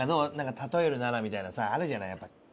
例えるならみたいなさあるじゃないやっぱ。